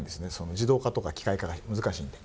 自動化とか機械化が難しいんで。